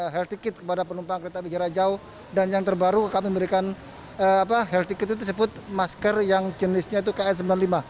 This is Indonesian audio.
health ticket kepada penumpang kereta bejara jauh dan yang terbaru kami memberikan health ticket itu tersebut masker yang jenisnya itu kn sembilan puluh lima